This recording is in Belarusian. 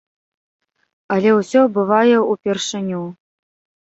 Але ўсё бывае ўпершыню.